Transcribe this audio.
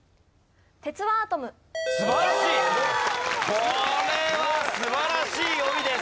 これは素晴らしい読みです。